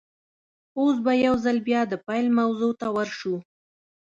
اوس به يوځل بيا د پيل موضوع ته ور شو.